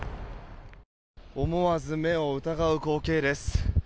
思わず目を疑う光景です。